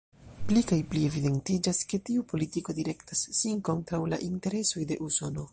Pli kaj pli evidentiĝas, ke tiu politiko direktas sin kontraŭ la interesoj de Usono.